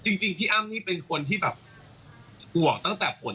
นี่ค่ะ